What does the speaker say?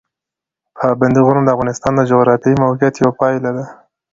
پابندي غرونه د افغانستان د جغرافیایي موقیعت یوه پایله ده.